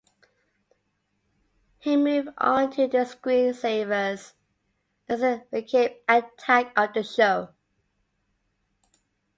He moved on to The Screen Savers as it became Attack of the Show.